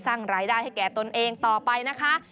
สร้างรายได้ให้แก่ตนเองต่อไปนะคะ